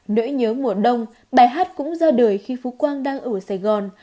nỗi nhớ mùa đông bài hát cũng ra đời khi phú quang đang ở sài gòn